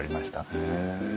へえ。